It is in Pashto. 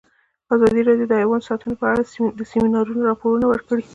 ازادي راډیو د حیوان ساتنه په اړه د سیمینارونو راپورونه ورکړي.